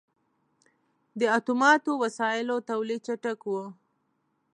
• د اتوماتو وسایلو تولید چټک و.